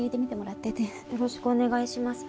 よろしくお願いします。